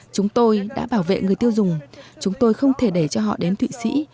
chúng tôi đã bảo vệ người tiêu dùng chúng tôi không thể đẩy cho họ đến thụy sĩ